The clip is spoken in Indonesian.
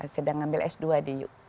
sedang ngambil s dua di